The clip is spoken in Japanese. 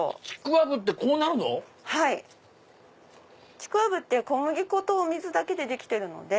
ちくわぶって小麦粉とお水だけでできてるので。